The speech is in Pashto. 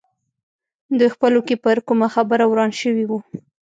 دوی خپلو کې پر کومه خبره وران شوي وو.